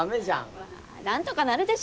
まあ何とかなるでしょ。